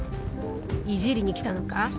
イジりに来たのか？